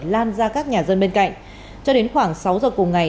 lan ra các nhà dân bên cạnh cho đến khoảng sáu giờ cùng ngày